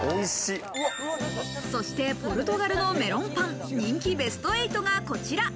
そして、ぽるとがるのメロンパン人気ベスト８がこちら。